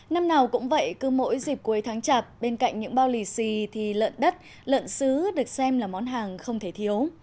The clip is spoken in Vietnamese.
năm nào cũng vậy cứ mỗi dịp cuối tháng chạp bên cạnh những bao lì xì thì lợn đất lợn xứ được xem là món hàng không thể thiếu